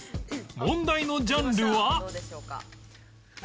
問題のジャンルは